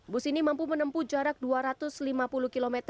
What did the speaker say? bus ini mampu menempuh jarak dua ratus lima puluh km